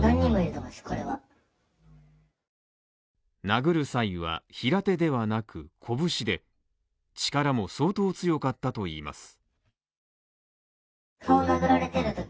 殴る際は平手ではなく拳で力も相当強かったといいます。